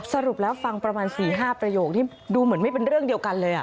สรุปแล้วฟังประมาณ๔๕ประโยคที่ดูเหมือนไม่เป็นเรื่องเดียวกันเลย